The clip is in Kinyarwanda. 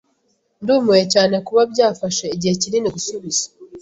Ndumiwe cyane kuba byafashe igihe kinini gusubiza.